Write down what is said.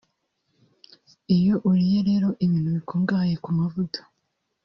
Iyo uriye rero ibintu bikungahaye ku mavuta